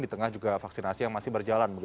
di tengah juga vaksinasi yang masih berjalan